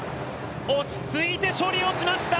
落ちついて処理をしました。